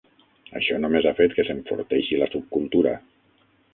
Això només ha fet que s'enforteixi la subcultura.